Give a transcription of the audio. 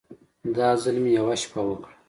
دا ځل مې يوه شپه وکړه.